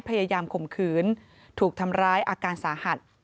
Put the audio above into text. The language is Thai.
ข่มขืนถูกทำร้ายอาการสาหัส